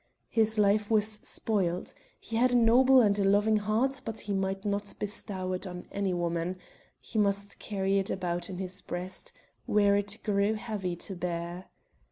His life was spoilt. He had a noble and a loving heart but he might not bestow it on any woman; he must carry it about in his breast where it grew heavy to bear.